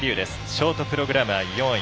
ショートプログラムは４位。